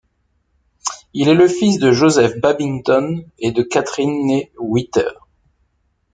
Il est le fils de Joseph Babington et de Catherine née Whitter.